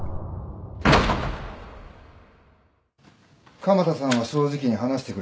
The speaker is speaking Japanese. ・鎌田さんは正直に話してくれた。